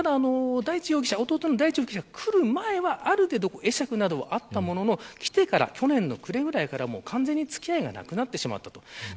弟の大地容疑者が来る前はある程度会釈などがあったものの去年の暮れぐらいから完全に付き合いがなくなってしまったと。